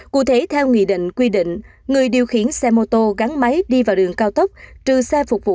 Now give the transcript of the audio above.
cụ thể theo nghị định quy định người điều khiển xe mô tô gắn máy đi vào đường cao tốc trừ xe phục vụ